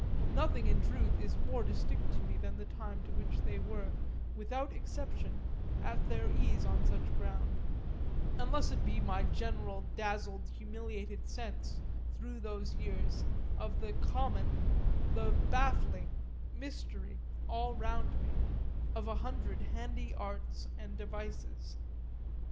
Nothing in truth is more distinct to me than the tune to which they were, without exception, at their ease on such ground unless it be my general dazzled, humiliated sense, through those years, of the common, the baffling, mastery, all round me, of a hundred handy arts and devices.